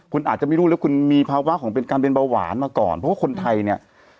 คุณอาจจะไม่รู้แล้วคุณมีภาวะของเป็นการเป็นเบาหวานมาก่อนเพราะว่าคนไทยเนี่ย